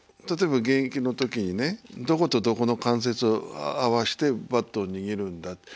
例えば現役の時にどことどこの関節を合わせてバットを握るんだ。